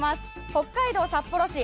北海道札幌市。